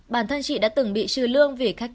bản thân chị đã từng bị trừ lương vì khách